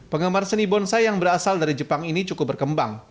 penggemar seni bonsai yang berasal dari jepang ini cukup berkembang